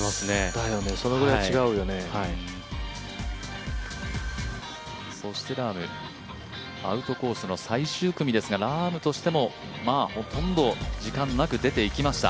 だよね、そのぐらい違うよねアウトコースの最終組ですがラームとしても、ほとんど時間なく出ていきました。